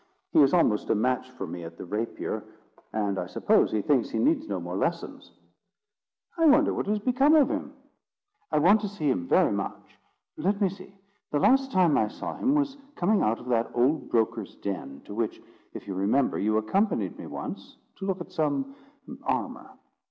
He is almost a match for me at the rapier, and I suppose he thinks he needs no more lessons." "I wonder what has become of him. I want to see him very much. Let me see; the last time I saw him he was coming out of that old broker's den, to which, if you remember, you accompanied me once, to look at some armour.